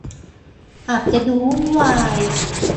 อาจจะดูวุ่นวาย